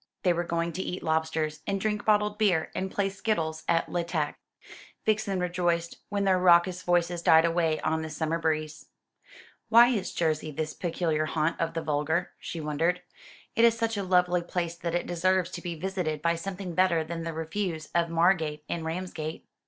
They were going to eat lobsters and drink bottled beer and play skittles at Le Tac. Vixen rejoiced when their raucous voices died away on the summer breeze. "Why is Jersey the peculiar haunt of the vulgar?" she wondered. "It is such a lovely place that it deserves to be visited by something better than the refuse of Margate and Ramsgate."